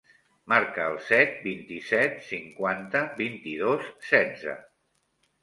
Marca el set, vint-i-set, cinquanta, vint-i-dos, setze.